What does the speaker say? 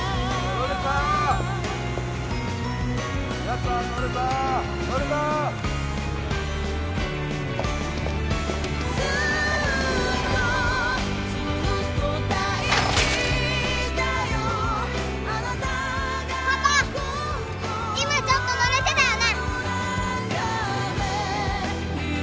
今ちょっと乗れてたよね！？